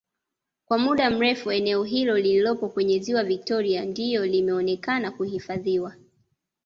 Kwa muda mrefu eneo hilo lilipo kwenye Ziwa Victoria ndiyo limeonekena kuhifadhiwa